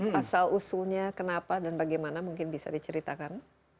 pasal usulnya kenapa dan bagaimana mungkin bisa diceritakan